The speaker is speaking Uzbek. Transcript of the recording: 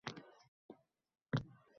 xonadonida huzur-halovat topsa, bas.